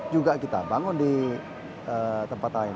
juga kita bangun di tempat lain